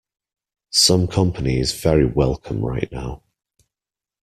Some company is very welcome right now.